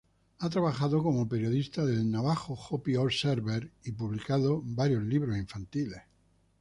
Ha trabajado como periodista del "Navajo Hopi Observer" y publicado varios libros infantiles.